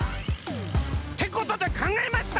ってことでかんがえました。